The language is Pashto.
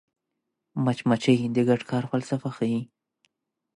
مچمچۍ د ګډ کار فلسفه ښيي